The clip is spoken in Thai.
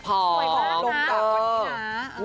สวยความลดมากกว่านี้นะพอม